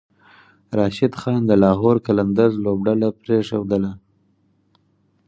راشد خان د لاهور قلندرز لوبډله پریښودله